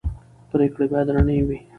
پرېکړې باید رڼې وي